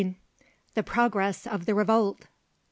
THE PROGRESS OF THE REVOLT.